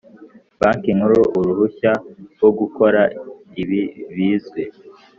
Banki Nkuru uruhushya rwo gukora ibi bizwi